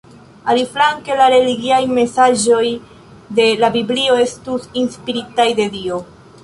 Aliflanke, la religiaj mesaĝoj de la Biblio estus inspiritaj de Dio.